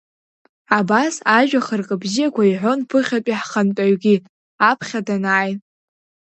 Абас ажәа хыркы бзиақәа иҳәон ԥыхьатәи ҳхантәаҩгьы аԥхьа данааи…